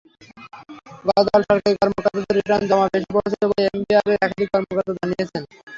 গতকাল সরকারি কর্মকর্তাদের রিটার্ন জমা বেশি পড়েছে বলে এনবিআরের একাধিক কর্মকর্তা জানিয়েছেন।